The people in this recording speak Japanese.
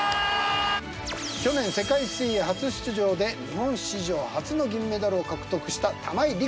去年世界水泳初出場で日本史上初の銀メダルを獲得した玉井陸斗選手。